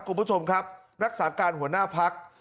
คุณผู้ชมครับรักษาการหัวหน้าพัก